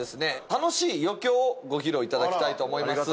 楽しい余興をご披露いただきたいと思います。